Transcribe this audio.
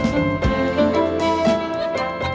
สวัสดีค่ะ